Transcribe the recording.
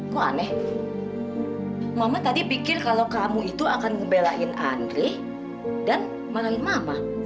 kok aneh mama tadi pikir kalau kamu itu akan ngebelain andri dan malah mama